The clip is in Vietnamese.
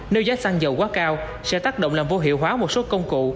nếu giá xăng dầu quá cao sẽ tác động làm vô hiệu hóa một số công cụ